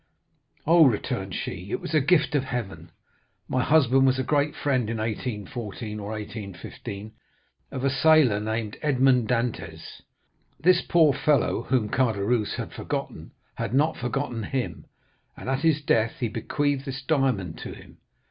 "'Oh,' returned she, 'it was a gift of heaven. My husband was a great friend, in 1814 or 1815, of a sailor named Edmond Dantès. This poor fellow, whom Caderousse had forgotten, had not forgotten him, and at his death he bequeathed this diamond to him.